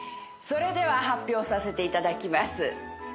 それでは発表させていただきます。